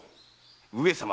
上様。